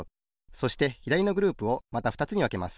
そしてひだりのグループをまたふたつにわけます。